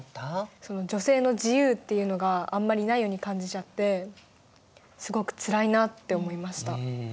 女性の自由っていうのがあんまりないように感じちゃってすごくつらいなって思いました。